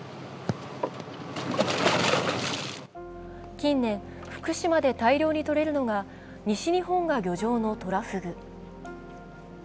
近年、福島で大量にとれるのが西日本が漁場のトラフグ。